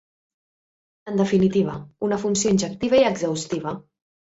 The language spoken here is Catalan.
En definitiva, una funció injectiva i exhaustiva.